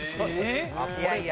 いやいや！